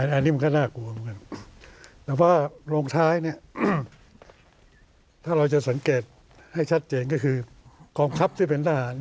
อันนี้มันก็น่ากลัวเหมือนกัน